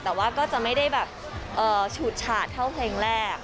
แต่ว่าก็จะไม่ได้แบบฉุดฉาดเท่าเพลงแรก